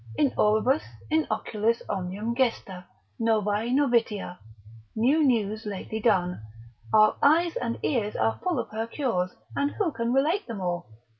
in auribus, in oculis omnium gesta, novae novitia; new news lately done, our eyes and ears are full of her cures, and who can relate them all?